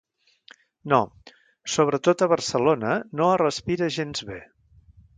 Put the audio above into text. No, sobretot a Barcelona no es respira gens bé.